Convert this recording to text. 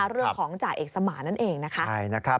เรื่องของจ่าเอกสมานนั่นเองนะคะ